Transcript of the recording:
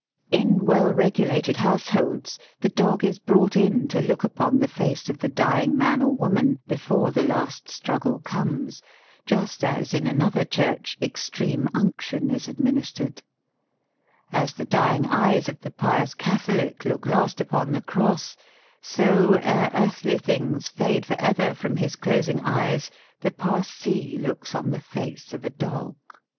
In well regulated households the dog i» brought in to look upon the face of the dying man or woman before the last struggle comes, just as in another church extreme unction is administered* As the dying eyes of the pious Catholic look last upon the cross, so ere earthly things fade for ever from his closing eyes the Parsee looks on the face of a dog.